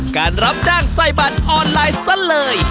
การรับจ้างใส่บัตรออนไลน์ซะเลย